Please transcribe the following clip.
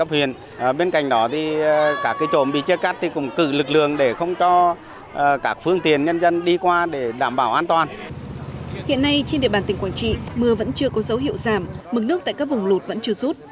hiện nay trên địa bàn tỉnh quảng trị mưa vẫn chưa có dấu hiệu giảm mực nước tại các vùng lụt vẫn chưa rút